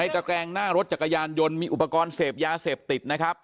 ตะแกรงหน้ารถจักรยานยนต์มีอุปกรณ์เสพยาเสพติดนะครับ